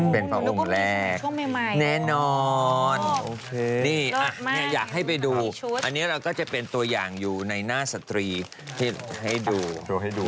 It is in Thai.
เป็นประหนุ่มแรกแน่นอนนี่อยากให้ไปดูอันนี้เราก็จะเป็นตัวอย่างอยู่ในหน้าสตรีที่ให้ดูให้ดู